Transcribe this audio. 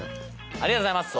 ありがとうございます！